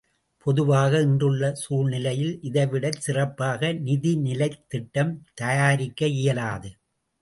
பொதுவாக இன்றுள்ள சூழ்நிலையில் இதை விடச் சிற்ப்பாக நிதிநிலைத் திட்டம் தயாரிக்க இயலாது.